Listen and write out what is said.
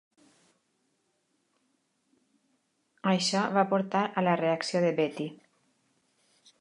Això va portar a la reacció de Betti.